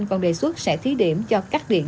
còn đề xuất sẽ thí điểm cho cắt điện